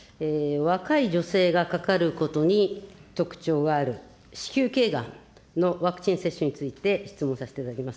若い女性がかかることに特徴がある子宮けいがんのワクチン接種について質問させていただきます。